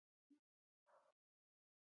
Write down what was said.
ننګرهار د افغانانو د معیشت سرچینه ده.